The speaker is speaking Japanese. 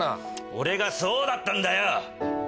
俺がそうだったんだよ！